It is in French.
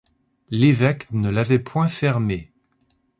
L’évêque ne l’avait point fermée.